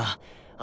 あ！